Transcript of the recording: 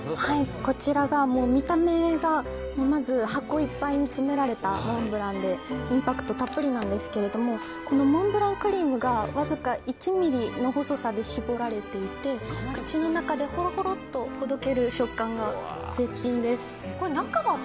こちらが見た目がまず箱いっぱいに詰められたモンブランでインパクトたっぷりなんですけどこのモンブランクリームがわずか１ｍｍの細さで絞られていて口の中でホロホロっとほどける食感が絶品です。